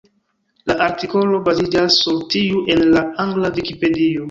La artikolo baziĝas sur tiu en la angla Vikipedio.